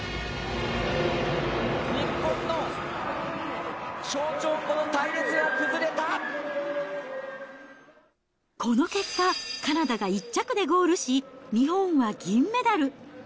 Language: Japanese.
日本の、この結果、カナダが１着でゴールし、日本は銀メダル。